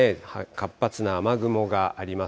活発な雨雲があります。